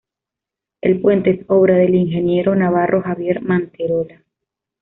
El puente es obra del ingeniero navarro Javier Manterola.